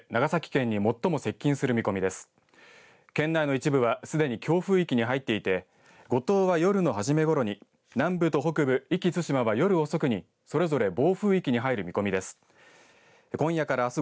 県内の一部はすでに強風域に入っていて五島は夜の初めごろに、南部と北部、壱岐・対馬は夜遅くにそれぞれ暴風域に入る見込みです。